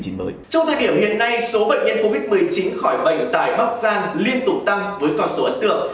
trong thời điểm hiện nay số bệnh nhân covid một mươi chín khỏi bệnh tại bắc giang liên tục tăng với con số ấn tượng